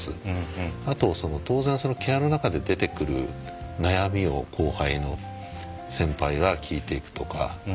あと当然ケアの中で出てくる悩みを後輩の先輩が聞いていくとか。